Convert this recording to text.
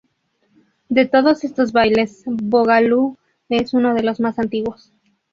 De todos estos bailes, boogaloo es uno de los más antiguos.